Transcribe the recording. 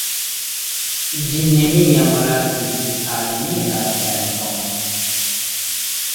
Vi neniam lasis al mi la tempon.